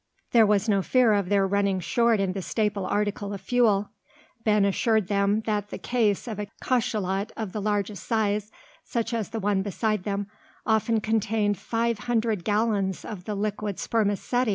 There was no fear of their running short in the staple article of fuel. Ben assured them that the "case" of a cachalot of the largest size, such as the one beside them, often contained five hundred gallons of the liquid spermaceti!